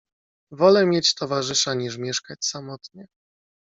"Wole mieć towarzysza niż mieszkać samotnie."